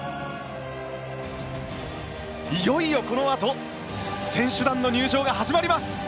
いよいよこのあと選手団の入場が始まります。